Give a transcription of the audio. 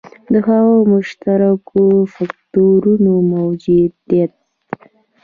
د هغو مشترکو فکټورونو موجودیت.